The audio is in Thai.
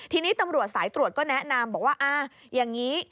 ทีนี้ตำรวจสายตรวจก็แนะนำบอกว่าอ่าอย่างนี้